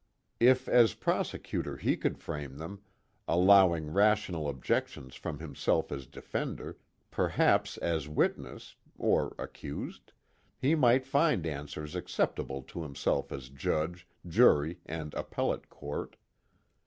If as prosecutor he could frame them, allowing rational objections from himself as defender, perhaps as witness (or accused?) he might find answers acceptable to himself as judge, jury, and appellate court.